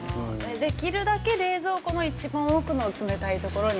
◆できるだけ冷蔵庫の一番奥の冷たいところに。